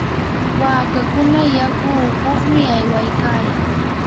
waakakuna yaku upuqmi aywaykayan.